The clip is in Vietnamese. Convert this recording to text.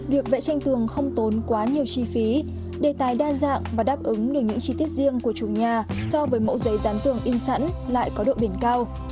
việc vẽ tranh tường không tốn quá nhiều chi phí đề tài đa dạng và đáp ứng được những chi tiết riêng của chủ nhà so với mẫu giấy dán tường in sẵn lại có độ biển cao